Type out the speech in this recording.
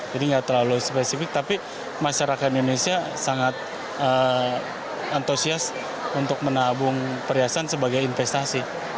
jadi enggak terlalu spesifik tapi masyarakat indonesia sangat antusias untuk menabung perhiasan sebagai investasi